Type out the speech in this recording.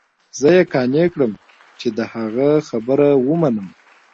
زه يې قانع کړم چې د هغه خبره ومنم.